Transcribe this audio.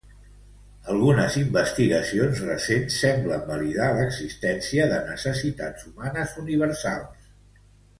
Algunes investigacions recents semblen validar l'existència de necessitats humanes universals.